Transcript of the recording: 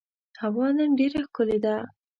هوا نن ډېره ښکلې ده.